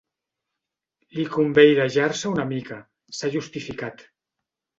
Li convé airejar-se una mica, s'ha justificat.